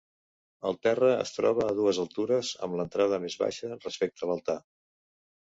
El terra es troba a dues altures amb l'entrada més baixa respecte a l'altar.